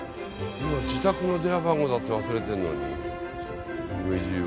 自宅の電話番号だって忘れてるのに梅じいは。